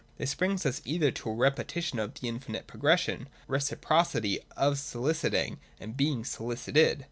This brings us either to a repetition of the infinite progression, or to a reciprocity of sohciting and being solicited.